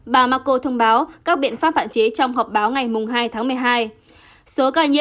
bà merkel thông báo các biện pháp hạn chế trong họp báo ngày hai tháng một mươi hai